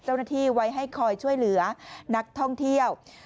เจ้าหน้าที่ไว้ให้คอยช่วยเหลือนักท่องเที่ยว